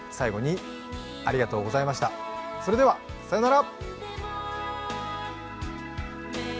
それではさようなら